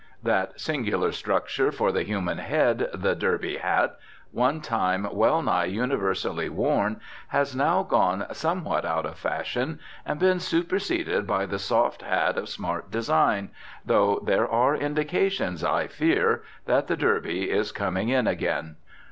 That singular structure for the human head, the derby hat, one time well nigh universally worn, has now gone somewhat out of fashion and been superseded by the soft hat of smart design, though there are indications, I fear, that the derby is coming in again.